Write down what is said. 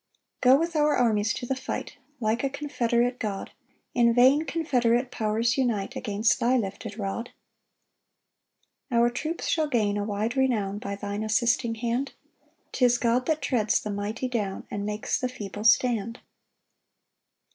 5 Go with our armies to the fight, Like a confederate God; In vain confederate powers unite Against thy lifted rod. 6 Our troops shall gain a wide renown By thine assisting hand; 'Tis God that treads the mighty down, And makes the feeble stand.